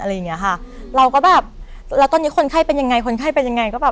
เราก็แบบแล้วตอนนี้คนไข้เป็นยังไงคนไข้เป็นยังไง